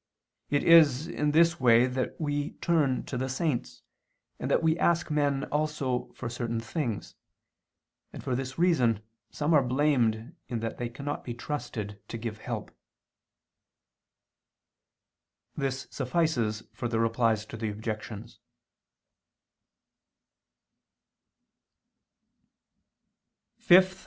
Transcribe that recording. It is in this way that we turn to the saints, and that we ask men also for certain things; and for this reason some are blamed in that they cannot be trusted to give help. This suffices for the Replies to the Objections.